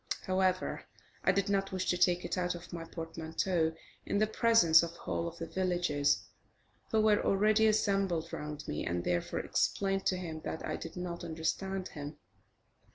However, I did not wish to take it out of my portmanteau in the presence of the whole of the villagers, who were already assembled round me, and, therefore, explained to him that I did not understand him.